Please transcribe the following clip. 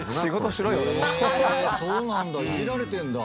「そうなんだ。